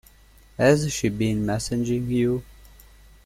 Has she been messaging you?